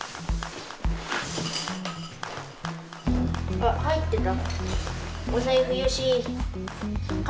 あっ入ってた。